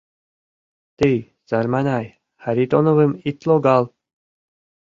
— Тый, сарманай, Харитоновым ит логал!